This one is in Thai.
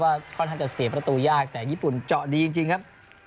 ค่อนข้างจะเสียประตูยากแต่ญี่ปุ่นเจาะดีจริงครับ